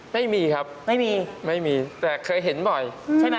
ไม่มีครับไม่มีไม่มีแต่เคยเห็นบ่อยใช่ไหม